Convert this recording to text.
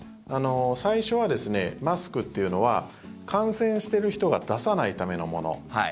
最初はマスクというのは感染してる人が出さないためのもの。